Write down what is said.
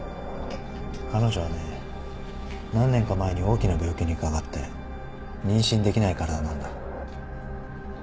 彼女はね何年か前に大きな病気にかかって妊娠できない体なんだ。